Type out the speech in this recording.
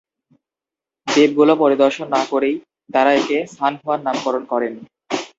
দ্বীপগুলো পরিদর্শন না করেই তাঁরা একে "সান হুয়ান" নামকরণ করেন।